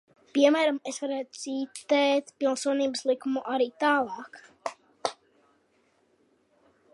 Piemēram, es varētu citēt Pilsonības likumu arī tālāk.